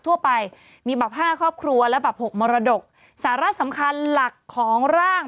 ทั่วไปมีแบบห้าครอบครัวและแบบหกมรดกสาระสำคัญหลักของร่าง